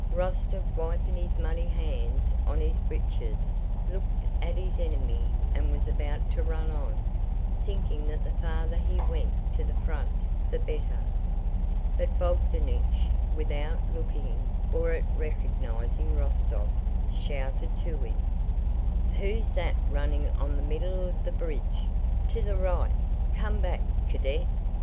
Rostóv wiping his muddy hands on his breeches looked at his enemy and was about to run on, thinking that the farther he went to the front the better. But Bogdánich, without looking at or recognizing Rostóv, shouted to him: "Who's that running on the middle of the bridge? To the right! Come back, Cadet!"